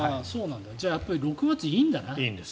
じゃあ６月いいんだな。